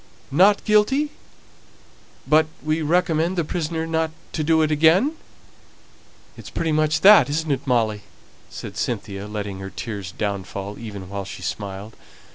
"Not guilty, but we recommend the prisoner not to do it again. It's pretty much that, isn't it, Molly?" said Cynthia, letting her tears downfall, even while she smiled.